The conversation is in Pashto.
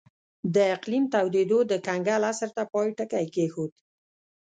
د اقلیم تودېدو د کنګل عصر ته پای ټکی کېښود.